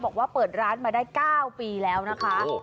บอกว่าเปิดร้านมาได้๙ปีแล้วนะคะ